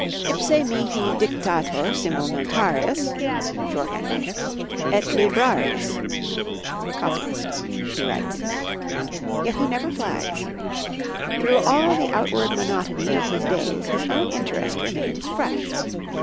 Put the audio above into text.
"Ipse mihi dictator simul notarius (= shorthand writer) et librarius (= copyist)," he writes. Yet he never flags. Through all the outward monotony of his days his own interest remains fresh.